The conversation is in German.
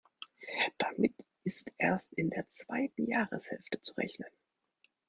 Damit ist erst in der zweiten Jahreshälfte zu rechnen.